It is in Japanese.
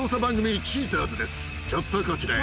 ちょっとこちらへ。